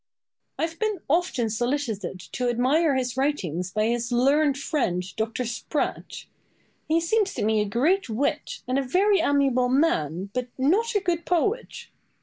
Boileau. I have been often solicited to admire his writings by his learned friend, Dr. Spratt. He seems to me a great wit, and a very amiable man, but not a good poet.